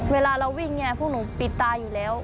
เวลาเราวิ่งเนี่ยพวกหนูปิดตาอยู่แล้ว